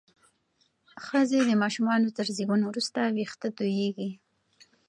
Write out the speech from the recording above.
ښځې د ماشومانو تر زیږون وروسته وېښتې تویېږي.